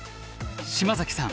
島崎さん